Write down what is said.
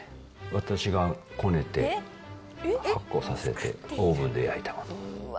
私がこねて、発酵させて、オーブンで焼いたもの。